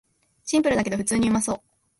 シンプルだけど普通にうまそう